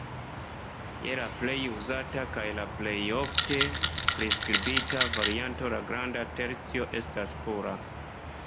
Je la plej uzata kaj la plejofte priskribita varianto la granda tercio estas pura.